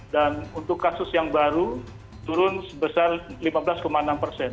dan untuk kasus yang baru turun sebesar lima belas enam persen